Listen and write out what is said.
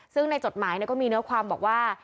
ซึ่งในจดหมายก็มีเนื้อความบอกว่า